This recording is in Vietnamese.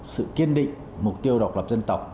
sự kiên định mục tiêu độc lập dân tộc